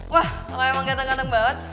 wah kalau emang gateng gateng banget